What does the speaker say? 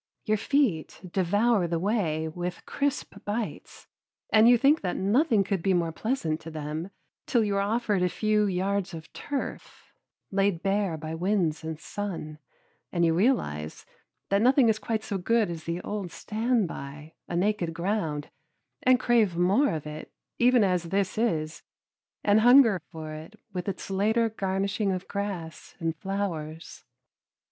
Your feet devour the way with crisp bites, and you think that nothing could be more pleasant to them till you are offered a few yards of turf, laid bare by winds and sun, and then you realize that nothing is quite so good as the old stand by, a naked ground, and crave more of it, even as this is, and hunger for it with its later garnishing of grass and flowers.